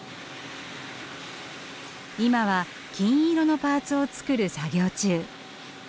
今は金色のパーツを作る作業中。